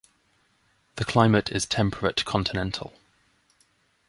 The climate is temperate continental.